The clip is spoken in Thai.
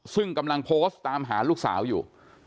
ซึ่งกำลังโพสต์ตามหาลูกสาวอยู่